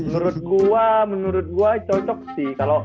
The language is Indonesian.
menurut gua menurut gua cocok sih kalo